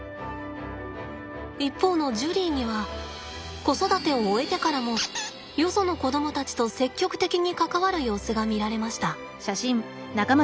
一方のジュリーには子育てを終えてからもよその子供たちと積極的に関わる様子が見られました。